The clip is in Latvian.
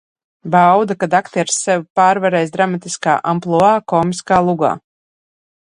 Bauda, kad aktieris sevi pārvarējis dramatiskā ampluā komiskā lugā.